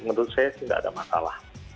menurut saya sih tidak ada masalah